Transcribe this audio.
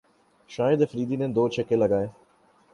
شاہد آفریدی نے دو چھکے لگائے